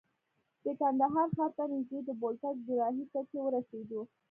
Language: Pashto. د کندهار ښار ته نژدې د بولدک دوراهي ته چې ورسېدو.